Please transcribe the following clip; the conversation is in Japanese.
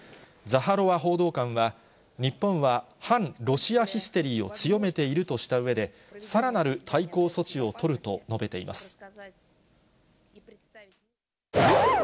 ザハロワ報道官は、日本は反ロシアヒステリーを強めているとしたうえで、さらなる対抗措置を取ると述べています。